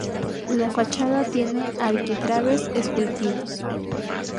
La fachada tiene arquitrabes esculpidos.